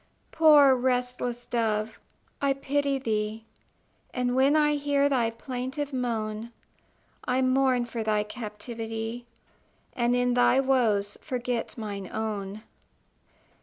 Poor restless dove, I pity thee; And when I hear thy plaintive moan, I mourn for thy captivity, And in thy woes forget mine own.